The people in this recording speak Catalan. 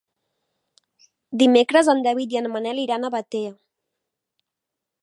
Dimecres en David i en Manel iran a Batea.